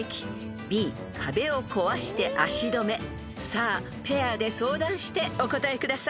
［さあペアで相談してお答えください］